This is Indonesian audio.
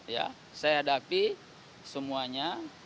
ya saya hadapi semuanya